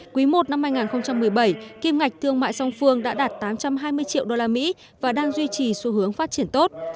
quý i năm hai nghìn một mươi bảy kim ngạch thương mại song phương đã đạt tám trăm hai mươi triệu usd và đang duy trì xu hướng phát triển tốt